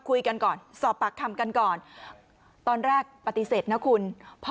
คุยกันก่อนสอบปากคำกันก่อนตอนแรกปฏิเสธนะคุณพอ